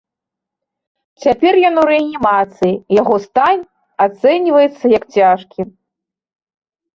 Цяпер ён у рэанімацыі, яго стан ацэньваецца як цяжкі.